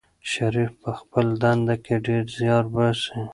شریف په خپله دنده کې ډېر زیار باسي.